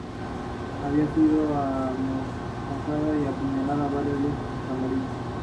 Sin embargo, su matrimonio fue infeliz, como lo fue su relación con sus hijastros.